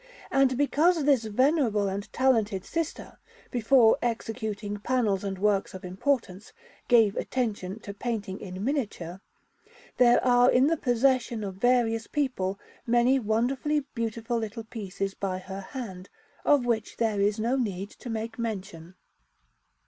And because this venerable and talented sister, before executing panels and works of importance, gave attention to painting in miniature, there are in the possession of various people many wonderfully beautiful little pictures by her hand, of which there is no need to make mention.